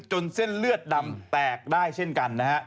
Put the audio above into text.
เส้นเลือดดำแตกได้เช่นกันนะฮะ